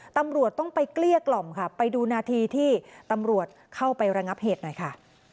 ตำรวจต้องไปเกลี้ยกล่อมค่ะไปดูนาทีที่ตำรวจเข้าไประงับเหตุหน่อยค่ะ